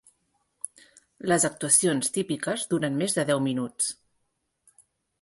Les actuacions típiques duren més de deu minuts.